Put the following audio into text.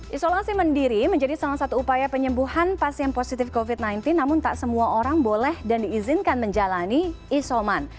isolasi mandiri menjadi salah satu upaya penyembuhan pasien positif covid sembilan belas namun tak semua orang boleh dan diizinkan menjalani isoman